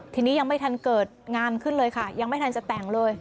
ทีนี้ยังไม่ทันเกิดงานขึ้นเลยค่ะยังไม่ทันจะแต่งเลย